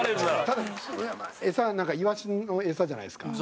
ただ餌なんかイワシの餌じゃないですか。